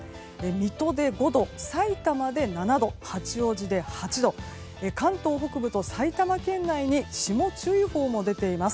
水戸で５度、さいたまで７度八王子で８度関東北部と埼玉県内に霜注意報も出ています。